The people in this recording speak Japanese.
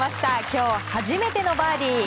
今日初めてのバーディー。